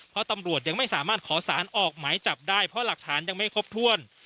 เพราะตำรวจยังไม่สามารถขอสารออกหมายจับได้เพราะหลักฐานยังไม่ครบถ้วน